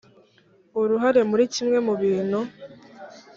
uruhare muri kimwe mu bintu